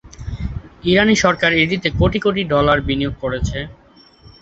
ইরানী সরকার এটিতে কোটি কোটি ডলার বিনিয়োগ করেছে।